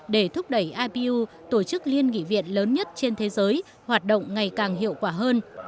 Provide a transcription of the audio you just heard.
để thúc đẩy ipu tổ chức liên nghị viện lớn nhất trên thế giới hoạt động ngày càng hiệu quả hơn